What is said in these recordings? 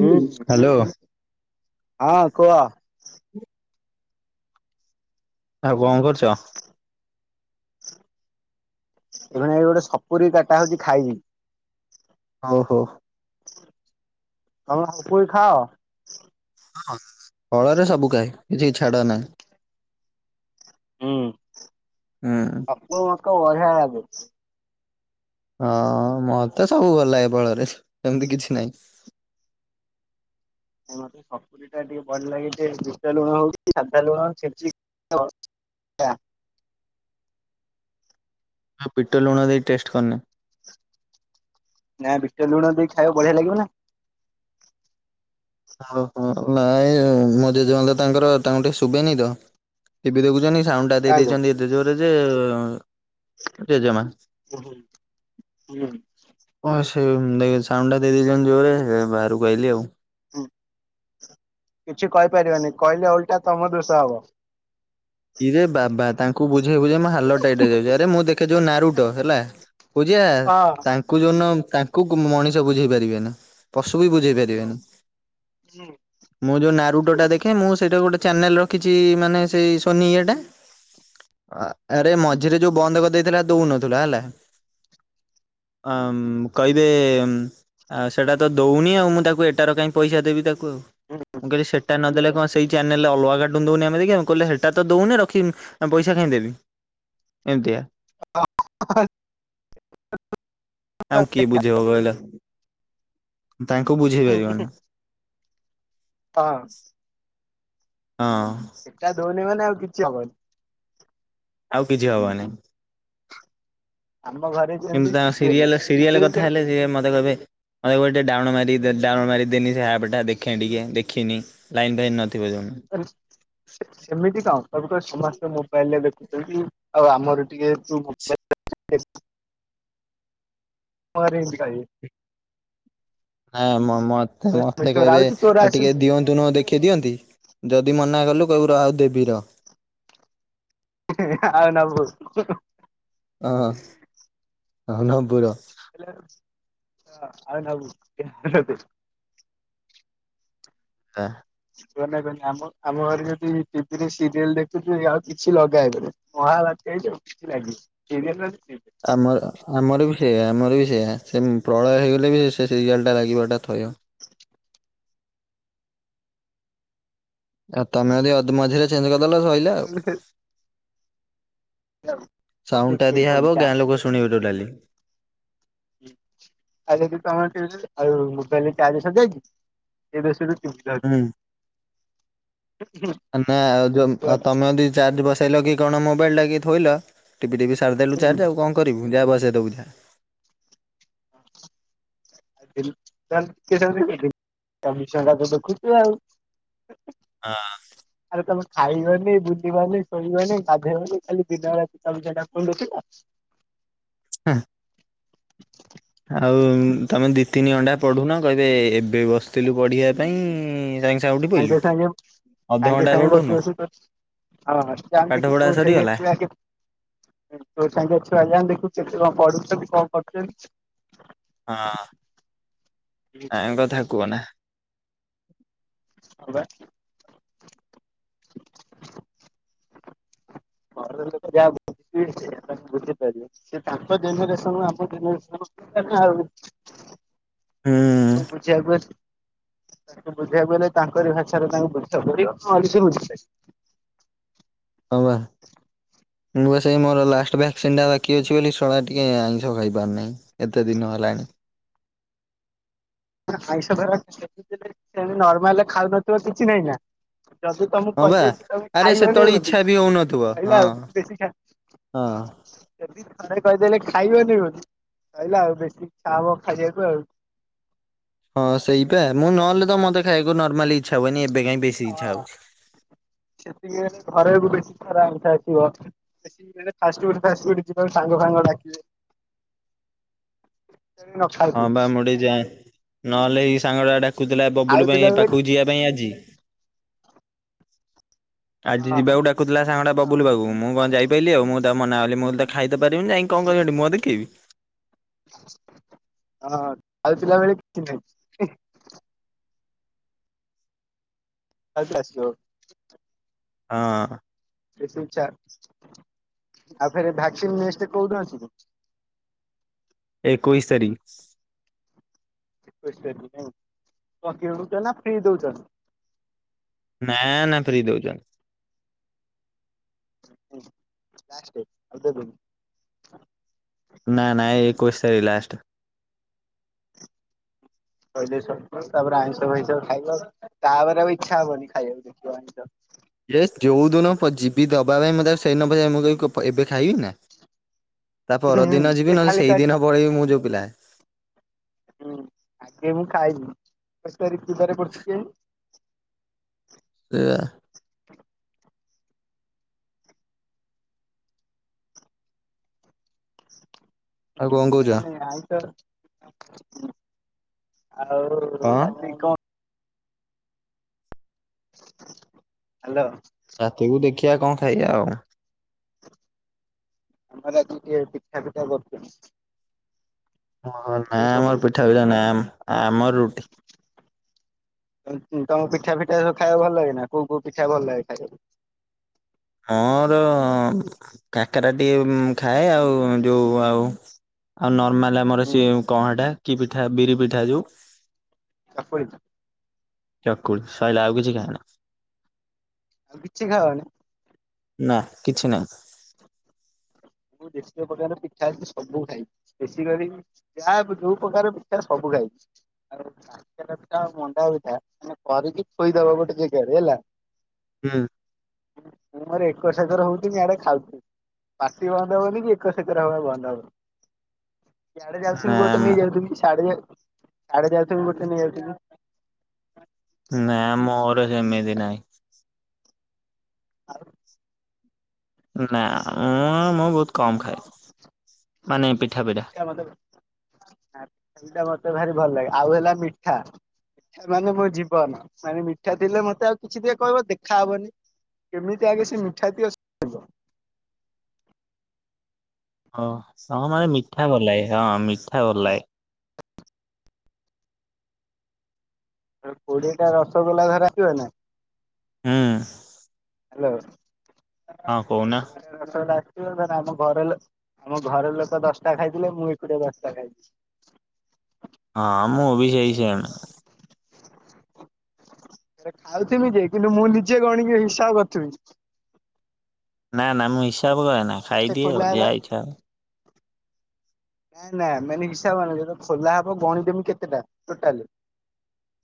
ହୁଁ ହଁ କୁହ। ଆଉ କଁ କରୁଚ? ଏବେ ଭାଇ ଗୋଟେ ସପୁରୀ କାଟା ହଉଚି ଖାଇବି। ଅମୋ ହୋ। ତମେ ସପୁରୀ ଖାଅ? ଫଳରେ ସବୁ କାଏ କିଛି ଛାଡ଼ ନାହିଁ। ଅଁ। ଅପୁ ମତେ ବଢ଼ିଆ ଲାଗେ। ହଁ ମତେ ସବୁ ଭଲ ଲାଗେ ଫଳରେ ସେମତି କିଛି ନାହିଁ। ହଁ ମତେ ସପୁରୀଟା ଟିକେ ଭଲ ଲାଗେ ଯେ ବିଟ୍ ଲୁଣ ହଉ କି ସାଧା ଲୁଣ ଛିଞ୍ଚି ଦବ। ତ୍ୟାଁ ଆଉ ବିଟ ଲୁଣ ଦେଇ ଟେଷ୍ଟ କରିନେଇ? ନାଇଁ ବିଟ୍ ଲୁଣ ଦେଇକି ଖାଇବାକୁ ବଢିଆ ଲାଗିବନା। ଆଉ ହଁ ନାଇଁ ୟେ ମୋ ଜେଜମା ତାଙ୍କର ତାଙ୍କୁ ଟିକେ ଶୁଭେନି ତ ଟିଭି ଦେଖୁଛନ୍ତି ସାଉଣ୍ଡଟା ଦେଇ କାହାକୁ? ଦେଇଛନ୍ତି ଏତେ ଜୋରେ ଯେ ଜେଜମା। ଉଁହୁଁ ହୁଁ। ହଁ ସେ ଏ ସାଉଣ୍ଡଟା ଦେଇ ଦେଇଛନ୍ତି ଜୋରେ ହେ ବାହାରକୁ ଆଇଲି ଆଉ। ହୁଁ କିଛି କହିପାରିବେନି କହିଲେ ଓଲଟା ତମ ଦୋଷ ହବ। ଇରେ ବାବା ତାଙ୍କୁ ବୁଝେଇ ବୁଝେଇ ମୋ ହା ଲତ ଟାଇଟ ହେଇଯାଉଚି ଆରେ ମୁଁ ଦେଖେ ଯଉ ନାରୁଟ ହେଲା ବୁଝିଆ ହଁ ତାଙ୍କ ତାଙ୍କୁ ଯୋଉଦିନ ତାଙ୍କୁ କୁ ମଣିଷ ବୁଝେଇ ପାରିବେନି ପଶୁ ବି ବୁଝେଇ ପାରିବେନି। ହୁଁ ମୁଁ ଯୋଉ ନାରୁଟଟା ଦେଖେ ମୁଁ ସେଇଟା ଗୋଟେ ଚ୍ୟାନେଲ ରଖିଛି ମାନେ ସେଇ ଶୋନି ଇଏଟା। ଆ ଆରେ ମଝିରେ ଯୋଉ ବନ୍ଦ କରିଦେଇଥିଲା ଦଉନଥିଲା ହେଲା ଆମ୍ କହିବେ ଆ ସେଟା ତ ଦୋଉନି ଆଉ ମୁଁ ତାକୁ ଏଟାର କାଇଁ ପଇସା ଦେବି ତାକୁ ଆଉଁ ମୁଁ କହିଲି ସେଟା ନଦେଲେ କଣ ସେଇ ଚାନେଲରେ ଅଲଗା କାଟୁନ ଦୋଉନି ଆମେ ଦେଖିଆ କହିଲେ ହେ ଟା ତ ଦୋଉନି ରଖିମୀ ପଇସା କାଇଁ ଦେବି ଏମିତିଆ। [inaudible] ତାଙ୍କୁ କିଏ ବୁଝେଇବ କହିଲ ତାଙ୍କୁ ବୁଝେଇ ହଁ ପାରିବନି। [inaudible] ହଁ। ଏଟା ଦଉନି ମାନେ ଆଉ କିଛି ହବନି। ଆଉ କିଛି ହବନି। ଆମ ଘରେ କିନ୍ତୁ ତାଙ୍କ ସିରିଏଲ ସିରିଏଲ କଥା ହେଲେ ସିଏ ମତେ କହିବେ ଆ ଏ ଗୋଟେ ଡାଉଣ ମାରି ଦେ ଡାଉଣ ଲୋଡ୍ ମାରି ଦେନୀ ସେ ଆପଟା ଦେଖେ ଟିକେ ଦେଖିନି। ଲାଇନ ଫାଇନ ନଥିବ ଜଉଦୀନ। [inaudible] ସେ ସେମିତି କଣ ସବୁ କ ସମସ୍ତେ ମୋବାଇଲରେ ଦେଖୁଛନ୍ତି ଆଉ ଆମର ଟିକେ ତୁ ମୋବାଇଲ [inaudible] [unintelligible] ନା ମ ମତେ ମତେ ତୋର କହିବେ ଆଉଛି ତୋର ଆଉ ଆସୁ ଟିକେ ଦିଅନ୍ତୁନୁ ଦେଖି ଦିଅନ୍ତି। ଯଦି ମନା କଲୁ କଇବୁ ର ଆଉ ଦେବୀ ର। [unintelligible] ଅ ହଁ ହ ନବୁ ର। [unintelligible] ଆଉ ନବୁ। [unintelligible] ନା। କୁହନା କୁହନା ଆମ ଆମ ଘରେ ଯଦି ଟିଭି ରେ ସିରିଏଲ ଦେଖୁଥିବେ ଆଉ କିଛି ଲଗା ହେବନି। ମହାବାତ୍ୟା [unintelligible] ସିରିଏଲ୍ ରେ ଆସିଛି। ଆମର ଆମର ବି ସେୟା ଆମର ବି ସେୟା ସେ ପ୍ରଳୟ ହେଇଗଲେ ବି ସେ ସେ ସିରିଆାଲ୍ଟା ଲାଗିବାଟା ଥୟ। ଆଉ ତମେ ଯଦି ଅଧ୍ ମଝିରେ ଚେଞ୍ଜକରଦଲ ସଇ [inaudible] ତତେ ସାଉଣ୍ଡ ଟା କିଏ ଦିଆ ହବ କହିଲା ଗାଁ ଲୋକ ଶୁଣିବେ ଟୋଟାଲି। ଆ ଯଦି ତମେ [unintelligible] ଆଉ ମୋବାଇଲରେ ଚାର୍ଜ ସରିଯାଇଛି। ଏବେ ସେଠୁ ଚୁପ୍ ଯାଉଚି। ହୁଁ [inaudible] ଏ ନା ଆଉ ଯୋଉ ଅ ତମେ ଯଦି ଚାର୍ଜ ବସେଇଲ କି କଣ ମୋବାଇଲ ଟା କି ଥୋଇଲ ଟିପି ଟିିପି ସାରି ଦେଲୁ ଚାର୍ଜ ଆଉ କଁ କରିବୁ ଯା ବସେଇ ଦବୁ ଯା। [unintelligible] ହଁ। ଆଉ ତମେ ଖାଇବନି ବୁଲିବନି ଶୋଇବନି ଗାଧେଇବନି ଖାଲି ଦିନ ରାତି ଚବିଶି ଘଣ୍ଟା ଫୋନ ଦେଖିଲ‌। ହାଁ। ଆଉ ତମେ ଦି ତିନି ଘଣ୍ଟା ପଢୁନ କହିବେ ଏବେ ବସିଥିଲୁ ପଢିବା ପାଇଁ ସା ସାଙ୍ଗେ ସାଙ୍ଗେ ସାଙ୍ଗେ ସାଙ୍ଗେ ପଢୁନୁ ବସୁ ବସୁ ତ। ପାଠ ପଢା ସରିଗଲା। [unintelligible] ତୋ ସାଙ୍ଗର ଛୁଆ ଯାଉନୁ ଦେଖିବୁ କେତେ କଣ ପଢୁଛନ୍ତି କଣ କରୁଛନ୍ତି। ହଁ ଟାଇମ୍ କଥା କୁହନା। ହଁ ବା। [unintelligible] ସିଏ ତାଙ୍କ ଜେନେରେସନ କୁ ଆମ ଜେନେରେସନ [inaudible] ହୁଁ। ସବୁ ବୁଝିବାକୁ ଅଛି। ତାଙ୍କୁ ବୁଝେଇ ବାକୁ ହେଲେ ତାଙ୍କରି ଭାଷାରେ ତାଙ୍କୁ ବୁଝେଇବାକୁ ପଡିବ ନହେଲେ ସିଏ ବୁଝି ବେନି। ହଁ ବା। ମୁଁ ବା ସେଇ ମୋର ଲାଷ୍ଟ ଭାକ୍ସିନ ଟା ବାକି ଅଛି ବୋଲି! ! ! ! ! ! ! ! ! ! ଟିକେ ଆଇଁଷ ଖାଇ ପାରୁ ନେଇ। ଏତେ ଦିନ ହେଲାଣି। [unintelligible] ତମକୁ କହିଦେଇ ଥିବି ତମେ ଖାଇବନେଇ ବୋଲି ହଁ ତାହେଲେ ବା ସଇଲା ଆରେ ସେତେବେଳେ ଆଉ ଇଚ୍ଛା ବି ବେସି ହଉନଥିବ ଆଉ ହଁ ବେଶୀ ଖା ହଁ। ଯଦି ଘରେ କହିଦେଲେ ଖାଇବନି ବୋଲି ସଇଲା ଆଉ ବେଶୀ ଇଛା ହବ ଖାଇବାକୁ ଆଉ। ହଁ ସେଇପା ମୁଁ ନହଲେ ତ ମତେ ଖାଇକୁ ନର୍ମାଲି ଇଚ୍ଛା ହଏନି ଏବେ କାଇଁ ବେଶୀ ଇଚ୍ଛା ହଁ ହଉଚି। ସେତିକି ବେଳେ ଘରେ ରୁ ବେସି କରା ବହୁତ ଆସିବ। ସେତିକି ବେଳେ ଫାଷ୍ଟଫୁଡ ଫାଷ୍ଟଫୁଡ ଯିବାକୁ ସାଙ୍ଗ ଫାଙ୍ଗ ଡାକିବେ। [unintelligible] ହଁ ପା ମୁଁ ଟିକେ ଯାଏଁ ନହେଲେ ଏଇ ସାଙ୍ଗ ଟା ଡାକୁଥିଲା ବବୁଲୁ ପାଇଁ ଏ ଖାଉଥିଲା ବେଳେ ପାଖକୁ ଯିବା ପାଇଁ ଆଜି ଆଜି ହଁ ଯିବାକୁ ଡ଼ା କୁଥିଲା ସାଙ୍ଗାଟା ବବୁଲ ପାଖକୁ ମୁ କଁ ଜାଇ ପାଇଲି ଆଉ ମୁଁ ତାକୁ ମନା କଲି ମୁଁ ତ ଖାଇତ ପାରିବିନି ଯାଇଁ କି। କଁ କରିବି ସେଠି ମୁଁହ ଦେଖେଇବି। [unintelligible] ଆଉ ଥରେ ଆସିବ। ହଁ। ଏ ସବୁ ଚା ଆଉ ଫେରେ ଭାକ୍ସିନ୍ ନେଷ୍ଟ କୋଉଦିନ ଅଛିକି। ଏକୋଇଶି ତାରିଖ। ଏକୋଇଶି ତାରିଖ ନାଇଁ କଁ କିଣୁଚ ନା ଫ୍ରି ଦଉଛନ୍ତି। ନା ନା ଫ୍ରି ଦଉଛନ୍ତି। ହୁଁ ଲା ଷ୍ଟେ ଆଉ ଦେବେନି। ନା ନା ଏ ଏକୋଇଶି ତରିଖ ଲାଷ୍ଟ। ସଇଲେ ମରିଯାଉ ତାପରେ ଆଇଁଷ ଫାଇଁଷ ଖାଇବ‌। ତାପରେ ଆଉ ଇଚ୍ଛା ହବନି ଖାଇବାକୁ ଦେଖିବ ଆଇଁଷ। ଏ ଯୋଉ ଦିନ ପ ଯିବି ଦବା ପାଇଁ ମୁଁ ତାକୁ ସେଇ ଦିନ ପଚାରିବି ମୁଁ କହିବି କ ଏବେ ଖାଇବି ନା। ତା ହୁଁ ହୁଁ ପରଦିନ ସେ ଯିବି ନହେଲେ ଖାଲି କ ସେଇଦିନ ପଳେଇବି ମୁଁ ଯୋଉ ପିଲା। ହୁଁ ଆଗେ ମୁଁ ଖାଇବି [unintelligible] ତେ ଆ ଆଉ କଣ କହୁଛ? [unintelligible] ଆଉ କଣ? ରାତିକି କଣ ହାଲୋ। ରାତିକୁ ଦେଖିବା କଣ ଖାଇବା ଆଉ। ଆମର ଆଜି କିଏ ପିଠା ପିଠା କରିଛନ୍ତି ଓ ନାଁ ଫକୁଳି। ଆମର ପିଠା ଭଳିଆ ନାନ୍ ଆମ ଆମର ରୁଟି। ଉ - ଉ - ତମ ପିଠା ଫିଠା ସବୁ ଖାଇବା ଭଲ ଲାଗେ ନା କୋଉ କୋଉ ପିଠା ଭଲ ଲାଗେ ଖାଇବାକୁ? ହଁର କାକରା ଟିକେ ମୁ ଖାଏ ଆଉ ଯୋଉ ଆଉ ଆଉ ନର୍ମାଲ ଆମର ସେ କଣା ହେଟା କି ପିଠା ବିରି ପିଠା ହୁଁ ଯୋଉ ଚକୁଳି ଚକୁଳି ସଇଲା ଆଉ କିଛି ଖାଇନା। ଆଉ କିଛି ଖାଅନି? ନା କିଛି ନାହିଁ। ତୁ ଡେସକ ରୀ ପକାର ପିଠା ସବୁ ଖାଇ ଲ ବେଶୀକରି ଯାହା ଯୋଉ ପ୍ରକାର ପିଛ [unintelligible] ସବୁ ଖାଇଛି ଆଉ କାକରା ପିଠା ଆଉ ମଣ୍ଡା ପିଠା ମାନେ କରିକି ଥୋଇ ଦବ ଗୋଟେ ଜେଗାରେ ହେଲା। ହୁଁ। ମୁଁ ମୋର ଏକର ଶେଯରେ ହଉତିମି ଆଡେ ଖାଉଥୁମୀ। ସେ ବନ୍ଦ ହବନି କି ଏ କର ସେକର ହବା ବନ୍ଦ ହେବନି। ଆଡେ ଯାଉଥିମି ନା ଗୋଟେ ମ ନେଇ ଯୋଉଥିମି ସେଆଡେ ସେଡେ ଆଡେ ଯାଉଥିମି ଗୋଟେ ନେଇଆସିମି ନା ମୋର ଯେମିତି ନାହିଁ। ଆଉ। ନା ମୁଁ- ମୁଁ ବହୁତ କମ ଖାଏ ମାନେ ପିଠା ପିଠା। ପିଠା ମତେ ଭାରି ଭଲପିଠା ମତେ ଲାଗେ ଆଉ ହେଲା ମିଠା [unintelligible] ମାନେ ମୋ ଜୀବନ ମାନେ ମିଠା ଲେ ମତେ ଆଉ କିଛି ଟେ କହିବ ଦେଖାହବନି। କେମିତି ଆଗେ ସେ ମିଠା ତି ଓ ହଁ ମାନେ ମିଠା ବୋଲାଏ ହଁ ମିଠା ବଲାଏ। କୋଡିଏ ଟା ରସଗୋଲା ଧରସିବ ନା। ହଁ। ହ୍ୟାଲୋ। ହଁ କହୁନା। ଟା ଆିବ ନଲେ ଆମ ଘର ଆମ ଘର ଲୋକ ଦଶଟା ଖାଇଥିଲେ ମୁଁ ଏକୁଟିଆ ଦଶଟା ଖାଇଥିଲି [unintelligible] ହଁ, ମୁଁ ବି ସେଇ ସେମ। ଖାଉଥିଲି ଯେ କିନ୍ତୁ ମୁଁ ନିଜେ ଗଣିକି ହିସାବ ରଖିଥିବି। ନା ନା ମୁଁ ହିସାବ କରେ ନା। ଆଚଛେ ଖାଇଦିଏ ଆଉ ଖୋଲା ଯାହା ହେଲା। ଇଚ୍ଛା [inaudible] ନାଇଁ ନାଇଁ ମାନେ ହିସ ହବାନ ଖୋଲା ହବ ଗଣିମି କେତେଟା ଟୋଟା [unintelligible]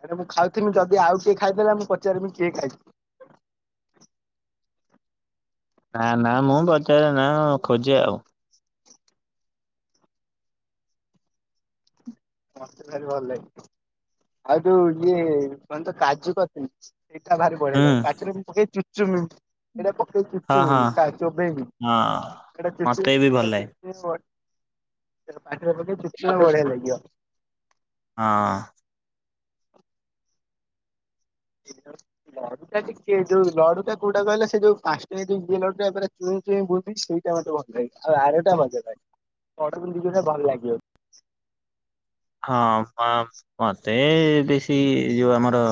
ଆରେ ମୁଁ ଖାଉଥଥିଲି ଯଦି ଆଉ କିଏ ଖାଇଦେ ମୁଁ ପଚାରିବି କିଏ ଖାଇଛିି। ନା ନା ମୁଁ ବଜାର ନା ଖୋଜେ ଆଉ। ମସ୍ତେ ଭାରି ଭଲ ଲାଗଛି ଆଉ ଯୋଉ ଇଏ କୁହ ତ କାଜୁ କରିଥିଲ। ସେଇଟା ଭାରି ହୁଁ ବଢେଇ ପାଖରେ ଚୁଚୁମି। ଏଟା ପକେଇ ଚୁଚୁ ହଁ ହଁ। ଚବେଇ ଏଟା ଚୁଚୁ। ହଁ ମତେ ବି ଭଲ ଲାଗେ। ପାରେ ପେ ଚୁଚଚିର ବଡେ ଲାଗଗଯ [unintelligible] ହଁ। [inaudible] ଲଡ଼ୁ ଟା ଟିକେ ଯୋଉ ଲଡ଼ୁ ଟା କୋଉଟା କହିଲ ସେ ଯୋଉ ପାଁସ୍ ଟଙ୍କିଆ ଯୋଉ ଇଏ ଲଡ଼ୁ ଟା [unintelligible] [unintelligible] ସେଇଟା ମୋତେ ଭଲ ଲାଗେ ଆଉ ଆରଟା ମଜା ଲାଗେ [unintelligible] ଭଲ ଲାଗିବ। ହଁ ମ-ମତେ ବେଶୀ ଏଇ ଯୋଉ ଆମର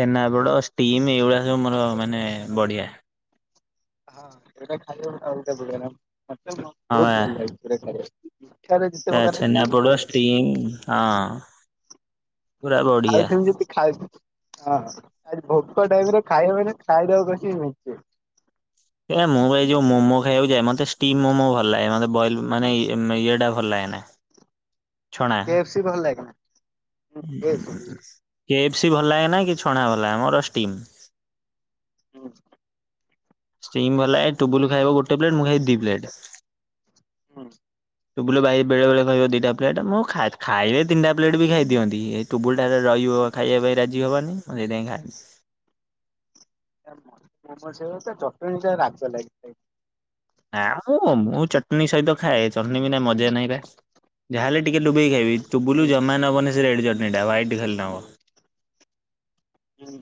ଛେନାପୋଡ଼ ଷ୍ଟିମ ଏଇଗୁଡ଼ା ସବୁ ମୋର ମାନେ ବଢ଼ିଆ। ହଁ ଏଟା ଖାଇବ ଗୋଟେ ଅଲଗା ପ୍ରକାର ମତେ ମ ହଁ ବୋହୁତ ଭଲ ଲାଗେ। [unintelligible] ଆ ପ୍ରକାର ଅଛି ଛେନାପୋଡ଼ ବଢିଆ ଷ୍ଟିମ ହଁ। ପୁରା ବଢିଆ। ଖାଉଥିବି ଯଦି ଖାଉ ଆଚ୍ଛା ଆ [unintelligible] ଭୋକ ଟାଇମ ରେ ଖାଇବ ମାନେ ଖାଇଦବ କଷିକି ମେଞ୍ଚେ। ଏରା ମୁଁ ବା ଏଇ ଯୋଉ ମୋମୋ ଖାଇବା କୁ ଯାଏ ମତେ ଷ୍ଟିମ ମୋମୋ ଭଲ ଲାଗେ ମତେ ବଏଲ ମାନେ ଇଏ ମ୍ ଇଏ ଟା ଭଲ ଲାଗେ ନା। ହ [unintelligible] କେ ଏଫ ସି ଭଲ ଲାଗେନା? ହୁଁ କେ ଏଫ୍ ସି ଭଲ ଲାଗେ ନା କି ଛଣା ଭଲ ଲାଗେନା ମୋର ଷ୍ଟିମ୍। [unintelligible] ଷ୍ଟିମ୍ ଭଲ ଲାଗେ ଟୁବୁଲୁ ଖାଇବ ଗୋଟେ ପ୍ଲେଟ ମୁଁ ଖାଇବି ଦି ପ୍ଲେଟ୍। ହଁ। ତୁବୁଲୁ ଭାଇ ବେଳେ ବଳେ ଖାଇବ ଦିଟା ପ୍ଲେଟ ମୁଁ ଖାଇଥ୍ ଖାଇଲେ ତିନିଟା ପ୍ଲେଟ ବି ଖାଇ ଦିଅନ୍ତି। ଟୁବୁଲୁ [unintelligible] ରହିଯୀବ ଖାଇବା ପାଇଁ ରାଜି ହବନି ମୁଁ ସେଇଥିପାଇଁ ଖାଏନି। [unintelligible] ଚଟୁଆଣୀଟା ରାଗ ଲାଗେ। ନା ମ ମୁଁ ଚଟୁଣି ସହିତ ଖାଏ ଚଟୁଣି ବି ନା ମଜା ନାହିଁ ପା। ଯାହାହେଲେ ଟିକେ ଡୁବେଇକି ଖାଇବି ଟୁବୁଲୁ ହୁଁ ଜମା ନବନି ସେ ରେଡ ଚଟଣୀ ଟ ହ୍ୱାଇଟ ଖାଲି ନବ। ହୁଁ।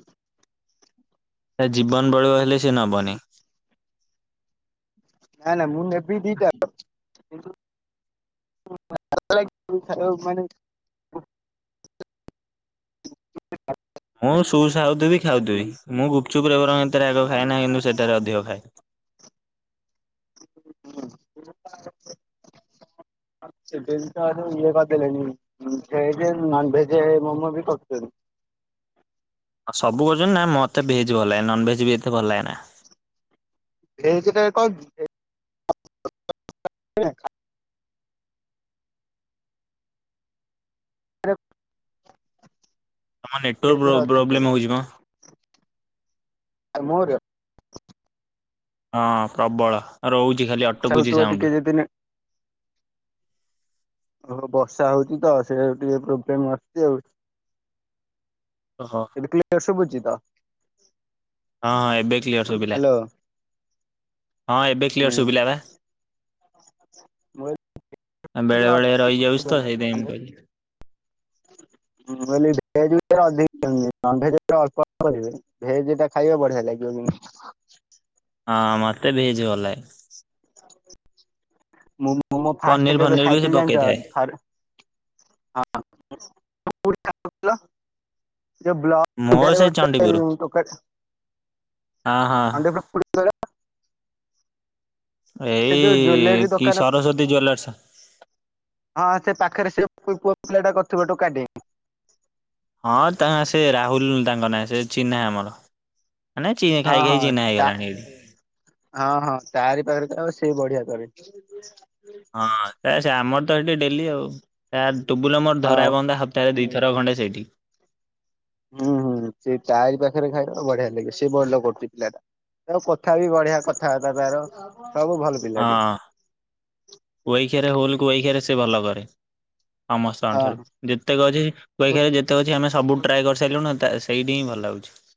ତା ଜୀବନ ପଳେଇବ ହେଲେ ସେ ନବନି। ନା ନା ମୁଁ ନେବି ଦିଟା [inaudible] କିନ୍ତୁ [inaudible] ମୁଁ ଖାଇବାକୁ ମାନେ ମୁଁ ସୁ ସା ହୋଉଥିବି ଖାଉଥିବି। ମୁଁ ଗୁପଚୁପରେ ବରଂ ଏତେ ରାଗ ଖାଏ ନାହିଁ କିନ୍ତୁ ସେଟାରେ ଅଧିକ ଖାଏ। ହୁଁ [inaudible] ସେବେ ବି ତାର ଇଏ କରିଦେଲେଣି ଉଁ ଭେଜ ନନ ଭେଜ ମୋମୋ ବି କରୁଛନ୍ତି। ଆଉ ସବୁ କରୁଛନ୍ତି ନା ମତେ ଭେଜ୍ ଭଲ ଲାଗେ ନନ ଭେଜ ବି ଏତେ ଭଲ ଲାଗେ ନା। ଭେଜ ଟା କଣ କି ଭେ [inaudible] [unintelligible] ତମ ନେଟୱାର୍କ ପ୍ରୋ-ପ୍ରୋବ୍ଲେମ୍ ହୋଉଚି ମ। [unintelligible] ମରିଆ। ହଁ ପ୍ରବଳ ରହୁଛି ଖାଲି ଅଟ୍ ଚାଲୁଥିବ ଟିକେ ଯଦି ନେ ଓହୋ ବର୍ଷା ହୋଉଚି ତ ସେଇରାକ ଟିକେ ପ୍ରୋବ୍ଲେମ [unintelligible] ଆଉ। ଅ ହଁ। ଏବେ କ୍ଲିୟର ଶୁଭୁଚି ତ? ହଁ ହଁ ଏବେ କ୍ଲିୟର ଶୁଭିଲା। ହ୍ୟାଲୋ ହଁ ଏବେ ହୁଁ କ୍ଲିୟର ଶୁଭିଲା ବା। ମୁଁ ଆ ବେଳେବେଳେ ରହି ଯାଉଛି ତ ସେଇଥିପାଇଁ ଏମିତି କହିଲି। ମୁଁ କହିଲି ଭେଜ [inaudible] ଅଧିକ। ନନ୍ ଭେଜରେ ଅଳ୍ପ ଅଳ୍ପ ଦେବେ ଭେଜ ଟା ଖାଇବା ବଢ଼ିଆ ଲାଗିବ କିନ୍ତୁ। ହଁ ମତେ ଭେଜ ଭଲ ଲାଗେ। ମୁଁ ମୋମୋ ଫାଷ୍ଟ ପନିର କେବେ ଫନିର ବି ସେ ଖାଇଥିଲି ପକେଇଥାଏ ଜାଣିଚ ଥରେ ହଁ [inaudible] ଥିଲ ଯଉ ବ୍ଲ ମୋ ସିଧା ରେ ସେଇ ଗୋଟେ ଚଣ୍ଡିପୁର। ଟୋକା ଟା ହଁ ହଁ [unintelligible] ସେ ଯୋଉ ଏଇ ଜୁଏଲାରୀ କି ଦୋକାନ ସରସ୍ଵତୀ ଜୁଏଲର୍ସ। ହଁ ସେ ପାଖେରେ ସେ [unintelligible] ପୁଅ ପିଲା ଟା କରିଥିବ ଟୋକା ଟେ। ହଁ ତାଙ୍କ ସେ ରାହୁଲ୍ ତାଙ୍କ ନାଁ ସେ ଚିହ୍ନା ଆମର। ମାନେ ଚି ଖାଇ ହଁ- ଖାଇ ହଁ ଚିହ୍ନା ତା ହେଇଗଲାଣି ଏଇଠି। ହଁ- ହଁ ତାରି ପାଖରେ ତ ଆଉ ସେ ବଢିଆ କରେ। ହଁ ସେ-ସେ ଆମର ତ ସେଠି ଡେଲି ଆଉ ଆ ଟୁବୁଲ ମୋର ହଁ ଧରା ବନ୍ଧା ହ ସପ୍ତାହରେ ଦିଥର ଖଣ୍ଡେ ସେଇଠି। ହୁଁ- ହୁଁ ସେ ତାରି ପାଖେରେ ଖାଇବା ବଢିଆ ଲାଗିବ ସେ ଭଲ କରୁଚି ପିଲାଟା। ତାର କଥା ବି ବଢିଆ କଥାବାର୍ତ୍ତା ତାର ସବୁ ଭଲ୍ ହଁ କୁହିକା ରେ ରୋଲ୍ କୁହିକାରେ ସେ ଭଲ କରେ। ସମସ୍ତ ଙ୍କ ହଁ। ଠାରୁ ଯେତେକ ଅଛି କୁହିକାରେ ଯେତେ ଅଛି ଆମେ ସବୁ ଟ୍ରାଏ କରିସାରିଲୁଣି ତା ସେଇଠି ହିଁ ଭଲ ଲାଗୁଚି।